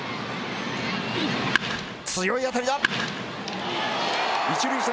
強い当たりだ。